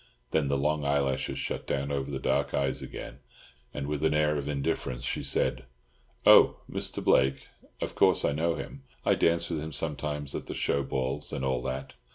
Then the long eyelashes shut down over the dark eyes again, and with an air of indifference she said— "Oh Mr. Blake? Of course I know him. I dance with him sometimes at the show balls, and all that.